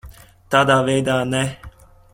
Tādā veidā ne.